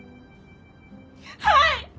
はい！